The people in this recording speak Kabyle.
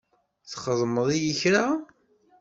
Txedmeḍ-iyi kra?